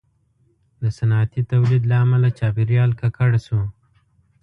• د صنعتي تولید له امله چاپېریال ککړ شو.